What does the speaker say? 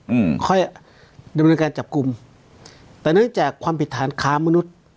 อืมค่อยดำเนินการจับกลุ่มแต่เนื่องจากความผิดฐานค้ามนุษย์